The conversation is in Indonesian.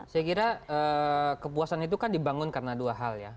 saya kira kepuasan itu kan dibangun karena dua hal ya